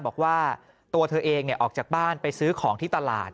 บอกว่าตัวเธอเองออกจากบ้านไปซื้อของที่ตลาด